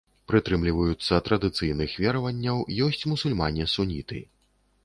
Прытрымліваюцца традыцыйных вераванняў, ёсць мусульмане-суніты.